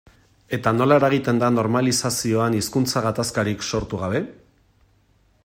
Eta nola eragiten da normalizazioan hizkuntza gatazkarik sortu gabe?